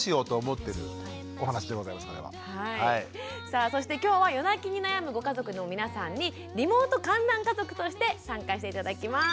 さあそして今日は夜泣きに悩むご家族の皆さんにリモート観覧家族として参加して頂きます。